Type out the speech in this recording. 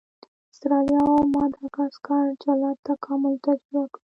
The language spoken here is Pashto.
استرالیا او ماداګاسکار جلا تکامل تجربه کړ.